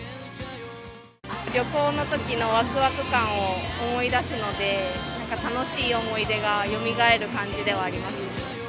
旅行のときのわくわく感を思い出すので、なんか楽しい思い出がよみがえる感じではありますね。